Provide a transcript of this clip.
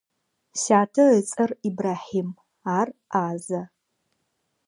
Сятэ ыцӏэр Ибрахьим, ар ӏазэ.